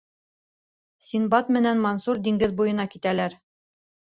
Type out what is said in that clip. Синдбад менән Мансур диңгеҙ буйына китәләр.